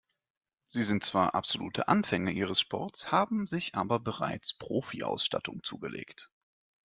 Sie sind zwar absolute Anfänger ihres Sports, haben sich aber bereits Profi-Ausstattung zugelegt.